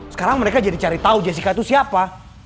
sekarang mereka jadi cari tahu jessica itu siapa